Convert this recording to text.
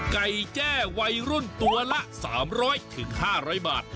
แจ้วัยรุ่นตัวละ๓๐๐๕๐๐บาท